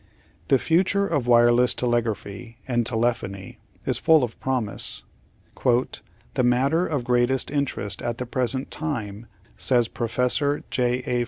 The future of wireless telegraphy and telephony is full of promise. "The matter of greatest interest at the present time," says Professor J. A.